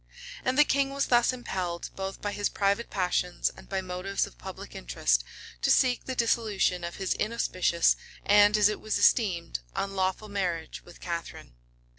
And the king was thus impelled, both by his private passions and by motives of public interest, to seek the dissolution of his inauspicious, and, as it was esteemed, unlawful marriage with Catharine.